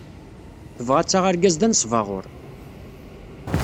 Tebɣa ad taɣ argaz d anesbaɣur.